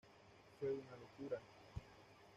Fue una locura.